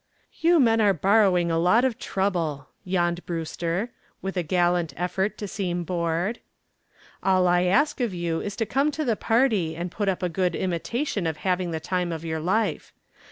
"You men are borrowing a lot of trouble," yawned Brewster, with a gallant effort to seem bored. "All I ask of you is to come to the party and put up a good imitation of having the time of your life.